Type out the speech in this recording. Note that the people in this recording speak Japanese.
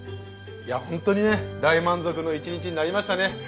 いやホントにね大満足の一日になりましたね。